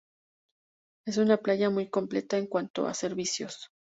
Es una playa muy completa en cuanto a servicios.